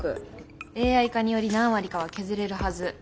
ＡＩ化により何割かは削れるはず。